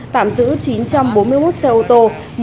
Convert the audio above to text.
tạm giữ chín trăm bốn mươi một xe ô tô